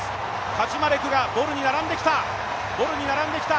カチュマレクがボルに並んできた！